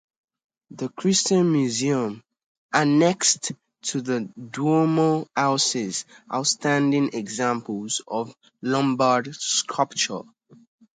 The Christian Museum annexed to the Duomo houses outstanding examples of Lombard sculpture.